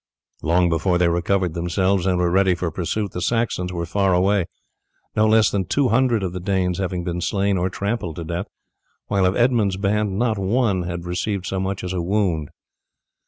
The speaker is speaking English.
Long before they recovered themselves, and were ready for pursuit, the Saxons were far away, no less than 200 of the Danes having been slain or trampled to death, while of Edmund's band not one had received so much as a wound.